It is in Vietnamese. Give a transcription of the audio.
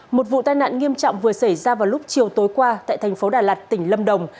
một vụ tai nạn nghiêm trọng vừa xảy ra vào lúc chiều tối qua tại thành phố đà lạt tỉnh lâm đồng